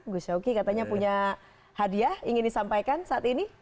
gus showki katanya punya hadiah ingin disampaikan saat ini